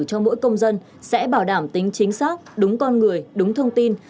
cho mỗi công dân sẽ bảo đảm tính chính xác đúng con người đúng thông tin